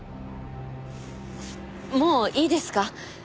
もういいですか？